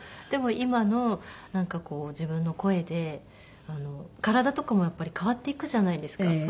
でも今の自分の声で体とかもやっぱり変わっていくじゃないですか。